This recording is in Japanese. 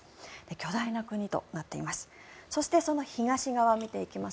巨大な国となっています。